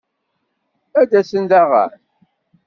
Ad d-asen daɣen?